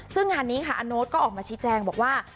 ซึ่งงานนี้ค่ะอาโน๊ตก็ออกมาชี้แจงบอกว่า